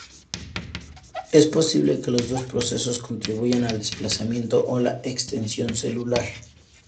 Es posible que los dos procesos contribuyan al desplazamiento o la extensión celular.